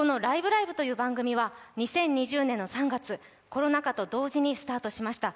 ライブ！」という番組は２０２０年の３月、コロナ禍と同時にスタートしました。